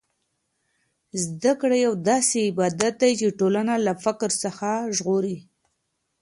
زده کړه یو داسې عبادت دی چې ټولنه له فقر څخه ژغوري.